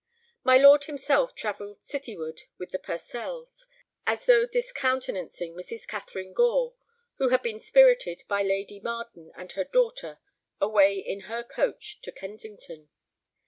My lord himself travelled cityward with the Purcells, as though discountenancing Mrs. Catharine Gore, who had been spirited by Lady Marden and her daughter away in her coach to Kensington.